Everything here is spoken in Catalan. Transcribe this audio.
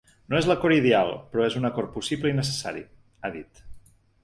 No és l’acord ideal, però és un acord possible i necessari, ha dit.